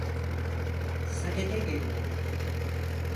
Sadede gelin.